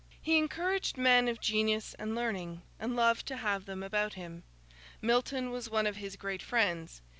He encouraged men of genius and learning, and loved to have them about him. Milton was one of his great friends.